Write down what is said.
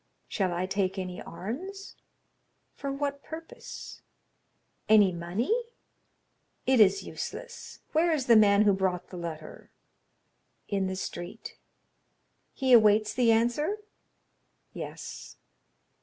"Shall I take any arms?" "For what purpose?" "Any money?" "It is useless. Where is the man who brought the letter?" "In the street." "He awaits the answer?" "Yes."